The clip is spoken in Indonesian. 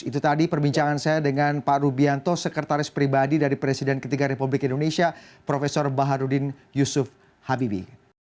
itu tadi perbincangan saya dengan pak rubianto sekretaris pribadi dari presiden ketiga republik indonesia prof baharudin yusuf habibi